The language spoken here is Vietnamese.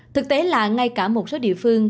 thực tế là ngay cả một số địa phương